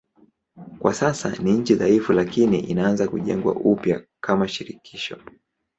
Kwa sasa ni nchi dhaifu lakini inaanza kujengwa upya kama shirikisho.